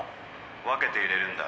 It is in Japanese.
分けて入れるんだ。